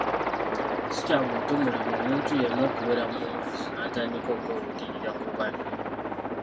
Si kya buntubulamu omuntu yenna okubeera mu woofiisi n’atandika okwewulirira ku banne.